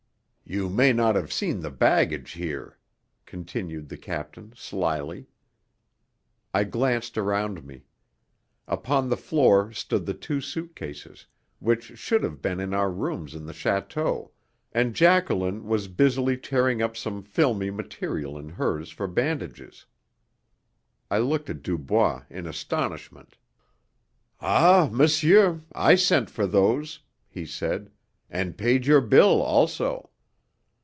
"You may not have seen the baggage here," continued the captain slyly. I glanced round me. Upon the floor stood the two suit cases, which should have been in our rooms in the château, and Jacqueline was busily tearing up some filmy material in hers for bandages. I looked at Dubois in astonishment. "Ah, monsieur, I sent for those," he said, "and paid your bill also.